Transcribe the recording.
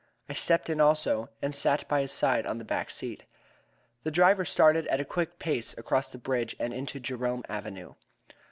I stepped in also, and sat by his side on the back seat. The driver started at a quick pace across the bridge and into Jerome Avenue.